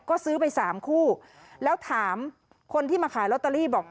ก็ซื้อไปสามคู่แล้วถามคนที่มาขายลอตเตอรี่บอก